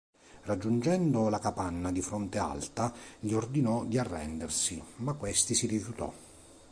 Raggiungendo la capanna di Fronte Alta gli ordinò di arrendersi, ma questi si rifiutò.